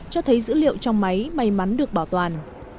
cho thấy dữ liệu trong máy may mắn được bảo toàn